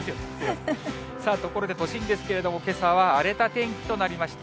ところで都心ですけれども、けさは荒れた天気となりました。